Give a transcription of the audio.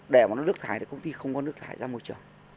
để mà nó nước thái thì công ty không có nước thái ra môi trường